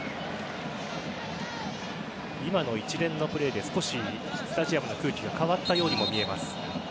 今の一連のプレーで少しスタジアムの空気が変わったようにも見えます。